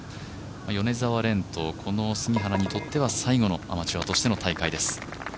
米澤蓮とこの杉原にとっては最後のアマチュアとしての大会です。